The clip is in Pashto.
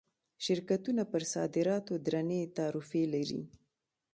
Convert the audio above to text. شرکتونه پر صادراتو درنې تعرفې لري.